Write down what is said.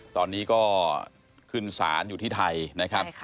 ตอนนี้ก็ขึ้นศาลอยู่ที่ไทยนะครับ